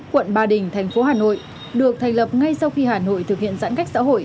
quận ba đình thành phố hà nội được thành lập ngay sau khi hà nội thực hiện giãn cách xã hội